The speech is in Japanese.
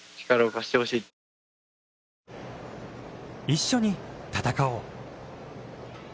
一緒に戦おう。